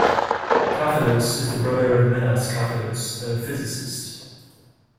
Kafatos is the brother of Menas Kafatos, a physicist.